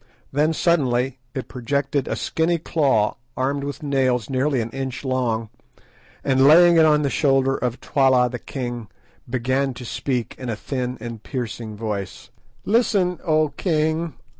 Then suddenly it projected a skinny claw armed with nails nearly an inch long, and laying it on the shoulder of Twala the king, began to speak in a thin and piercing voice— "Listen, O king!